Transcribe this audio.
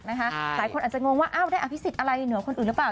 วัน๑๙นวรับหลายคนอาจจะงงว่าเอ้าได้อภิษิตอะไรเหนือคนอื่นหรือเปล่า